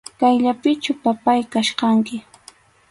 Kayllapichu, papáy, kachkanki.